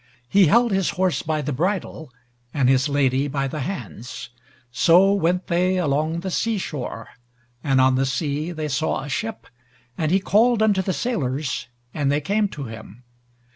He held his horse by the bridle, and his lady by the hands; so went they along the sea shore, and on the sea they saw a ship, and he called unto the sailors, and they came to him.